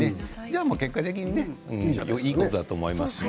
結果的にいいことだと思います。